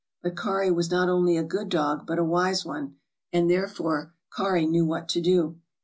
But 'Kari' was not only a good dog, but a wise one, and therefore 'Kari' knew what to do.